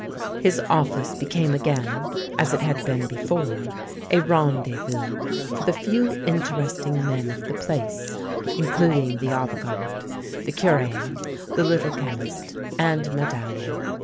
His office became again, as it had been before, a rendezvous for the few interesting ^n of the place, including the Avocat, the Cure, the Little Chemist, and Medallion.